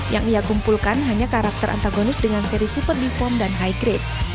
yang ia kumpulkan hanya karakter antagonis dengan seri super deform dan high grade